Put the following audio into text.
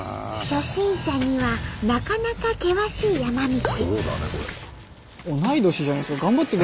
初心者にはなかなか険しい山道。